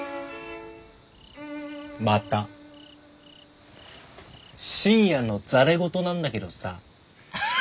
また深夜のざれ言なんだけどさ。